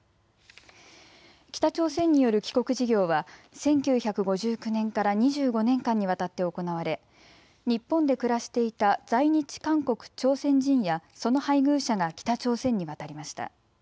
北朝鮮による帰国事業は１９５９年から２５年間にわたって行われ日本で暮らしていた在日韓国・朝鮮人やその配偶者が北朝鮮に渡りました。